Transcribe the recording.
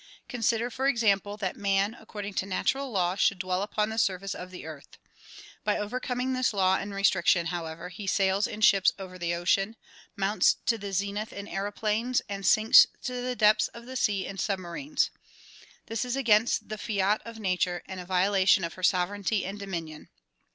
Consider, for example, that man according to natural law should dwell upon the surface of the earth. By overcoming this law and restriction however he sails in ships over the ocean, mounts to the zenith in aeroplanes and sinks to the depths of the sea in sub marines. This is against the fiat of nature a:nd a violation of her sovereignty and dominion.